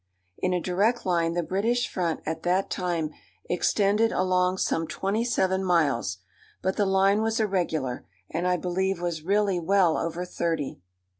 In a direct line the British front at that time extended along some twenty seven miles. But the line was irregular, and I believe was really well over thirty.